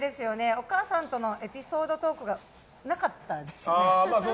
お母さんとのエピソードトークがなかったですね。